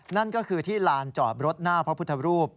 นั่นก็คือที่ลานจอดรถหน้าพระพุทธรูป